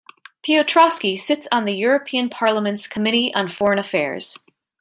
Piotrowski sits on the European Parliament's Committee on Foreign Affairs.